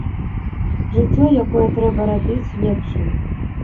Жыццё, якое трэба рабіць лепшым.